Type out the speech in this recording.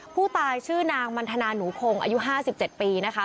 ผู้ตายชื่อนางมันทนาหนูคงอายุ๕๗ปีนะคะ